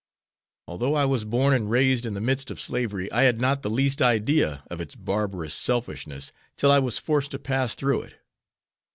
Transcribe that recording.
Although I was born and raised in the midst of slavery, I had not the least idea of its barbarous selfishness till I was forced to pass through it.